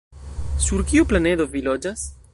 Sur kiu planedo vi loĝas?